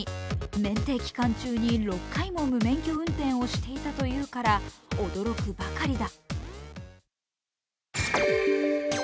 免停期間中に６回も無免許運転をしていたというから驚くばかりだ。